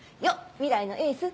未来のエース！